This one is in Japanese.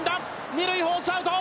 二塁フォースアウト。